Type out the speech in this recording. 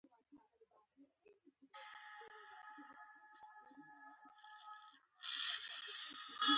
ټول یو ځای کور ته ور ننوتو، کور لوی خو تور او د یوازېتوب.